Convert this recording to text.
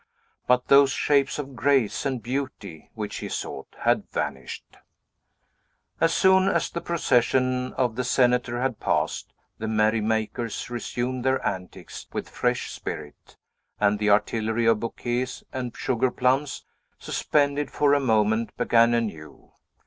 But those shapes of grace and beauty which he sought had vanished. As soon as the procession of the Senator had passed, the merry makers resumed their antics with fresh spirit, and the artillery of bouquets and sugar plums, suspended for a moment, began anew.